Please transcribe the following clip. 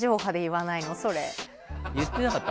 言ってなかった？